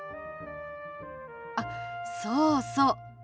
あっそうそう。